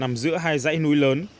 nằm giữa hai dãy núi lớn